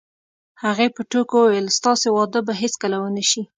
هغې په ټوکو وویل: ستاسې واده به هیڅکله ونه شي.